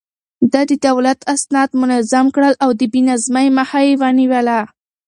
ده د دولت اسناد منظم کړل او د بې نظمۍ مخه يې ونيوله.